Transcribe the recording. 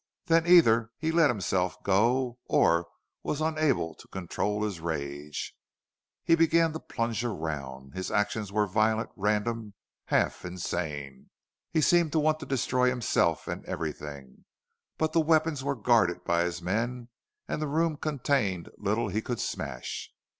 Then either he let himself go or was unable longer to control his rage. He began to plunge around. His actions were violent, random, half insane. He seemed to want to destroy himself and everything. But the weapons were guarded by his men and the room contained little he could smash.